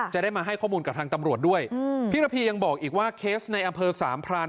จะได้มาให้ข้อมูลกับทางตำรวจด้วยพี่ระพียังบอกอีกว่าเคสในอำเภอสามพราน